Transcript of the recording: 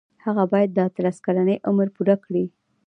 هغه باید د اتلس کلنۍ عمر پوره کړي.